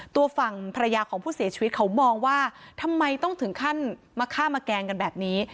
ตัวฝั่งภรรยาของผู้เสียชีวิตเขามองว่าทำไมต้องถึงขั้นมาฆ่ามาแกล้งกันแบบนี้